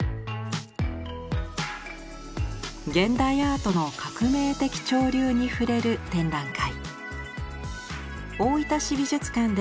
現代アートの革命的潮流に触れる展覧会。